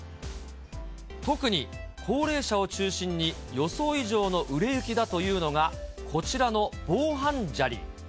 特に高齢者を中心に、予想以上の売れ行きだというのが、こちらの防犯砂利。